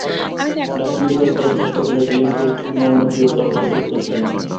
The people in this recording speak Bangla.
ঢাকা মেডিকেল কলেজ হাসপাতালে ডিএনএ পরীক্ষার নমুনা দিয়েও তাঁর লাশের খোঁজ মেলেনি।